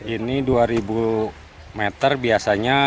ini dua ribu meter biasanya